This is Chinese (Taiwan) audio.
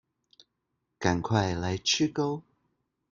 趕快來吃鉤